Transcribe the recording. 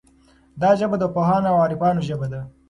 دا ژبه د پوهانو او عارفانو ژبه ده.